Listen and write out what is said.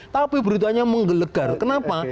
tapi beritanya menggelegar kenapa